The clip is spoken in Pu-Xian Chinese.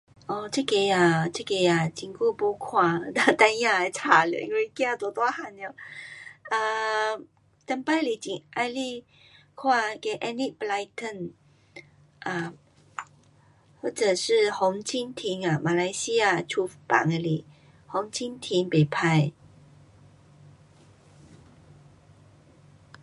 哦，这个啊，这个啊，很久没看 孩儿的书了，因为儿都大个了。啊，以前是很喜欢看那个 Aniq Brighton, um 或者是红蜻蜓啊，马来西亚出版的是红蜻蜓不错。